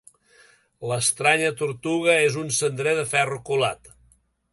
L'estranya tortuga és un cendrer de ferro colat.